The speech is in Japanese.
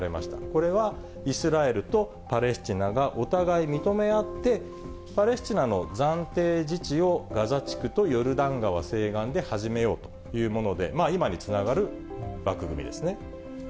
これはイスラエルとパレスチナがお互い認め合って、パレスチナの暫定自治をガザ地区とヨルダン川西岸で始めようというもので、今につながる枠組みですね。